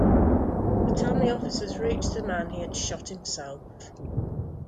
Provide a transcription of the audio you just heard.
By the time the officers reached the man, he had shot himself.